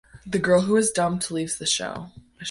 The girl who is dumped leaves the show.